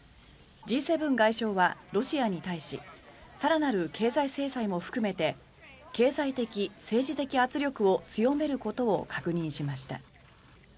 Ｇ７外相はロシアに対し更なる経済制裁も含めて経済的・政治的圧力を強めることを確認しました。